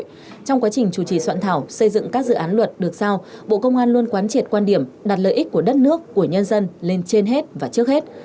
trong quá trình chủ trì soạn thảo xây dựng các dự án luật được giao bộ công an luôn quán triệt quan điểm đặt lợi ích của đất nước của nhân dân lên trên hết và trước hết